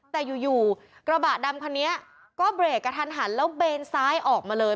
แต่อยู่กระบะดำคันนี้ก็เบรกกระทันหันแล้วเบนซ้ายออกมาเลย